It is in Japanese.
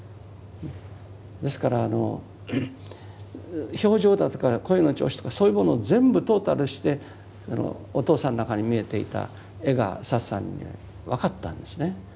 ですから表情だとか声の調子とかそういうものを全部トータルしてお父さんの中に見えていた絵がサツさんに分かったんですね。